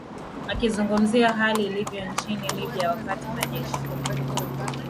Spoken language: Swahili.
akizungumzia hali ilivyo nchini libya wakati majeshi